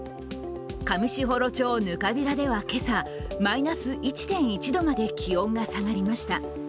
上士幌町糠平では今朝、マイナス１．１度まで気温が下がりました。